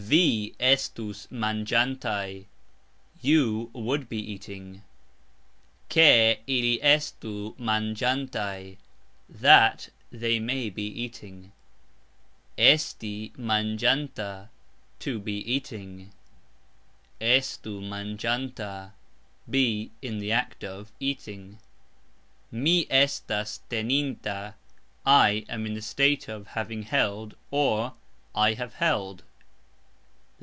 Vi estus mangxantaj ......... You would be eating. (Ke) ili estu mangxantaj .... (That) they may be eating. Esti mangxanta .............. To be eating. Estu mangxanta .............. Be (in the act of) eating. Mi estas teninta ............ I am (in the state of) having held, or, I have held.